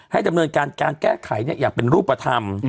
ดำเนินการการแก้ไขอย่างเป็นรูปธรรม